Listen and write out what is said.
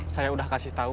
barusan saya udah kasih tahu